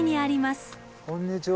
こんにちは。